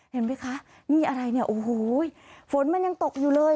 เห็นไหมคะนี่อะไรเนี่ยโอ้โหฝนมันยังตกอยู่เลย